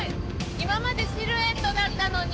今までシルエットだったのに。